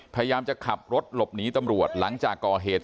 พยายามจะขับรถหลบหนีตำรวจหลังจากก่อเหตุ